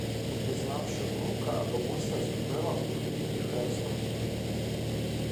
Упізнавши внука, бабуся зробила у повітрі хрест рукою.